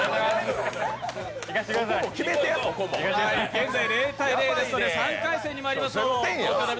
現在０−０ですので、３回戦にまいりましょう。